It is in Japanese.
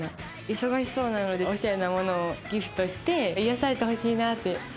忙しそうなのでオシャレな物をギフトして癒やされてほしいなって。